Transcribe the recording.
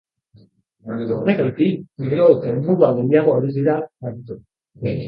Horregatik, gero eta muga gehiago ari dira jartzen.